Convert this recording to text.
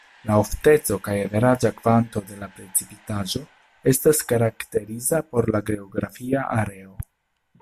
La ofteco kaj averaĝa kvanto de la precipitaĵo estas karakteriza por la geografia areo.